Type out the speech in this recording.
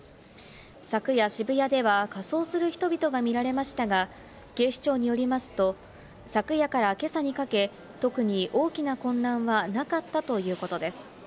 昨夜渋谷では、仮装する人々が見られましたが、警視庁によりますと、昨夜から今朝にかけ、特に大きな混乱はなかったということです。